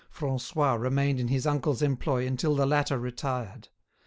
Francois remained in his uncle's employ until the latter retired.